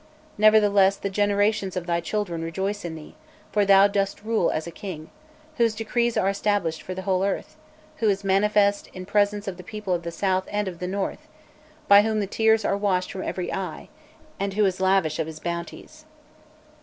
Nevertheless, the generations of thy children rejoice in thee for thou dost rule as a king whose decrees are established for the whole earth, who is manifest in presence of the people of the South and of the North, by whom the tears are washed from every eye, and who is lavish of his bounties.